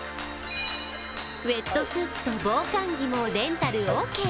ウエットスーツと防寒着もレンタルＯＫ。